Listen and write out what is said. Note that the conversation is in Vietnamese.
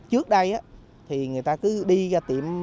trước đây thì người ta cứ đi ra tiệm